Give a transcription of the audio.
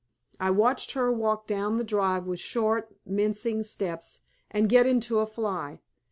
I watched her walk down the drive with short, mincing steps and get into a fly.